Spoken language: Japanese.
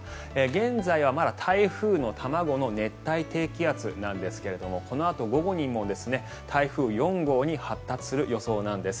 現在は、まだ台風の卵の熱帯低気圧なんですがこのあと午後にも台風４号に発達する予想なんです。